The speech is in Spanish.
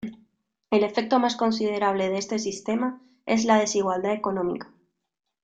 El efecto más considerable de este sistema es la desigualdad económica.